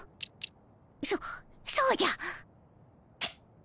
そそうじゃ！